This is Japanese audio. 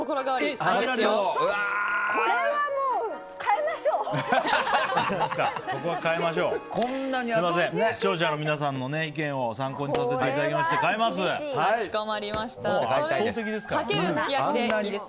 すみません、視聴者の皆さんの意見を参考にさせていただきまして変えます！